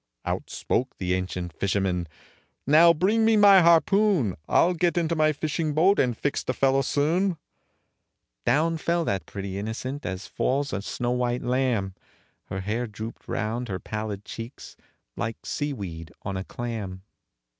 Out spoke the ancient fisherman, "Now bring me my harpoon! I'll get into my fishing boat, and fix the fellow soon." Down fell that pretty innocent, as falls a snow white lamb, Her hair drooped round her pallid cheeks, like sea weed on a clam.